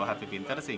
saya tidak tahu